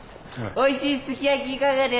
おいしいすき焼きいかがですか。